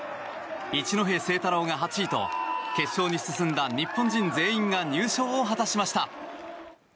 一戸誠太郎が８位と決勝に進んだ日本人全員が入賞を果たしました。